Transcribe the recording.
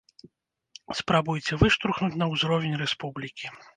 Спрабуйце выштурхнуць на ўзровень рэспублікі.